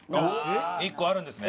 １個あるんですね？